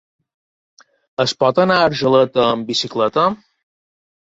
Es pot anar a Argeleta amb bicicleta?